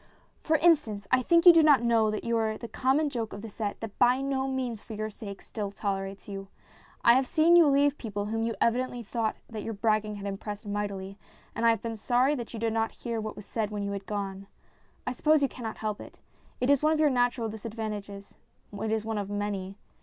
"For instance, I think you do not know that you are the common joke of the set that, by no means for your sake, still tolerates you. I have 234 STORIES IN GREY seen you leave people whom you evidently thought that your bragging had impressed mightily, and I have been sorry that you did not hear what was said when you had gone. I suppose you cannot help it. It is one of your natural disadvantages ; it is one of many.